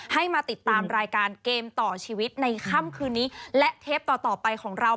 ให้มาติดตามรายการเกมต่อชีวิตในค่ำคืนนี้และเทปต่อต่อไปของเรา